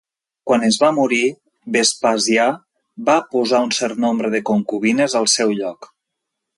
Quan es va morir, Vespasià va posar un cert nombre de concubines al seu lloc.